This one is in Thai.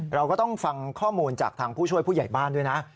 เราก็ต้องฟังข้อมูลจากทางผู้ช่วยผู้ใหญ่บ้านด้วยนะ